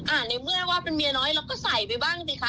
ในเมื่อว่าเป็นเมียน้อยเราก็ใส่ไปบ้างสิคะ